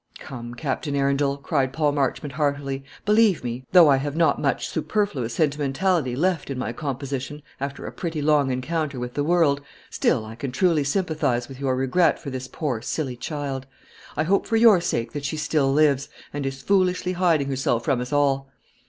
"Come, Captain Arundel," cried Paul Marchmont, heartily, "believe me, though I have not much superfluous sentimentality left in my composition after a pretty long encounter with the world, still I can truly sympathise with your regret for this poor silly child. I hope, for your sake, that she still lives, and is foolishly hiding herself from us all.